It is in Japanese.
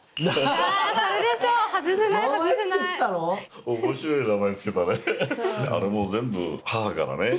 あれもう全部母からね